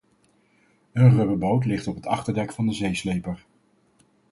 Een rubberboot ligt op het achterdek van de zeesleper.